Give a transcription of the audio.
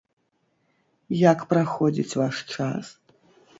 Як праходзіць ваш час?